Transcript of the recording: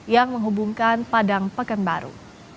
yang menghubungkan padang pekanbaru